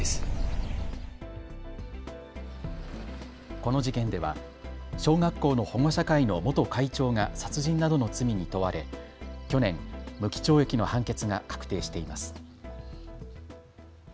この事件では小学校の保護者会の元会長が殺人などの罪に問われ去年、無期懲役の判決が確定しています。